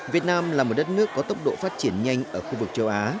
việt nam là một đất nước có tốc độ phát triển nhanh ở khu vực châu á